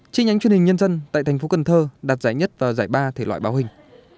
trên nhánh truyền hình nhân dân tại thành phố cần thơ đạt giải nhất và giải ba thể loại báo hình